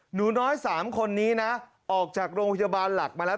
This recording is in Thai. หนูน้อย๓คนนี้นะออกจากโรงพยาบาลหลักมาแล้ว